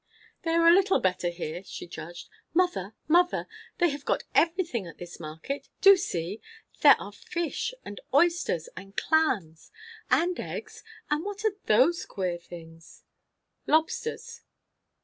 "They are a little better here," she judged. "Mother, mother! they have got everything at this market. Do see! there are fish, and oysters, and clams; and eggs; and what are those queer things?" "Lobsters."